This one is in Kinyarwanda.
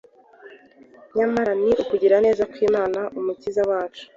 Nyamara ni ukugira neza kw’Imana Umukiza wacu